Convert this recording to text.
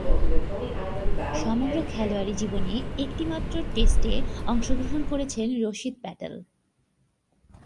সমগ্র খেলোয়াড়ী জীবনে একটিমাত্র টেস্টে অংশগ্রহণ করেছেন রশীদ প্যাটেল।